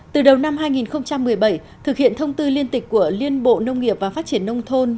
từ đầu năm hai nghìn một mươi bảy thực hiện thông tư liên tịch của liên bộ nông nghiệp và phát triển nông thôn